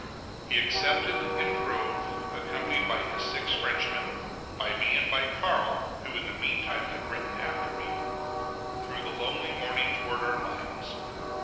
He accepted, and drove, accompanied by his six Frenchmen, by me and by Carl (who in the mean time had ridden after me) through the lonely morning towards our lines.